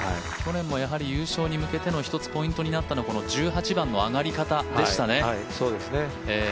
去年も優勝に向けてのポイントになったのはこの１８番の上がり方でしたね。